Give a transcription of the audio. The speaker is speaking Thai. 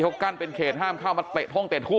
เขากั้นเป็นเขตห้ามเข้ามาเตะท่องเตะทู่